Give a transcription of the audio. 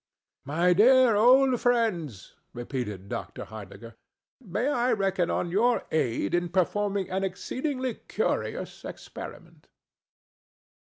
"My dear old friends," repeated Dr. Heidegger, "may I reckon on your aid in performing an exceedingly curious experiment?"